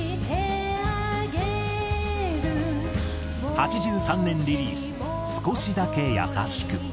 ８３年リリース『すこしだけやさしく』。